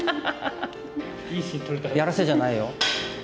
やらせじゃないよ。